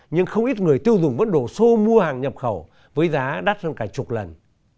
nhưng không ít người tiêu dùng vẫn đổ xô mua hàng nhập khẩu với giá đắt hơn cả chục lần